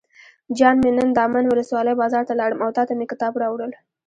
جان مې نن دامن ولسوالۍ بازار ته لاړم او تاته مې کتاب راوړل.